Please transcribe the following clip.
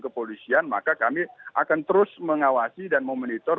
kepolisian maka kami akan terus mengawasi dan memonitor